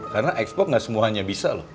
karena x box gak semuanya bisa loh